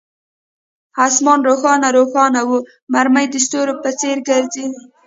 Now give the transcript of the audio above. آسمان روښانه روښانه وو، مرمۍ د ستورو په څیر ګرځېدې.